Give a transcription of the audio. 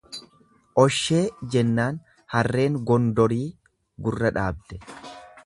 Oshee! Jennaan harreen Gondorii gurra dhaabde.